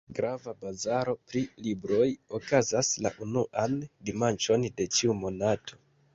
Grava bazaro pri libroj okazas la unuan dimanĉon de ĉiu monato.